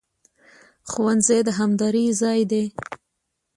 ښوونځی د همدرۍ ځای دی